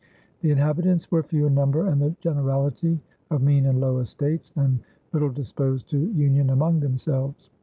The inhabitants were few in number, and "the generality, of mean and low estates," and little disposed to union among themselves.